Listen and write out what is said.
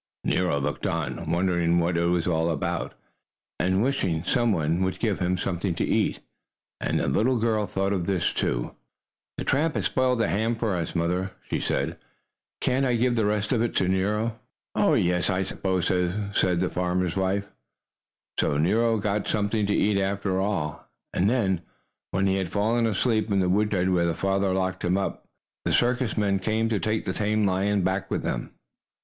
Nero looked on, wondering what it was all about, and wishing some one would give him something to eat. And the little girl thought of this. "The tramp has spoiled the ham for us, Mother," she said. "Can't I give the rest of it to Nero?" [Illustration: Nero sat on his hind legs on the table. Page 122] "Oh, yes, I suppose so," said the farmer's wife. So Nero got something to eat after all. And then, when he had fallen asleep in the woodshed where the farmer locked him, the circus men came to take the tame lion back with them.